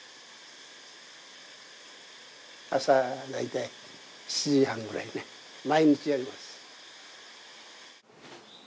朝だいたい７時半ぐらい毎日やります。